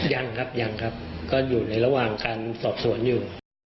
ยังครับยังครับก็อยู่ในระหว่างการสอบสวนอยู่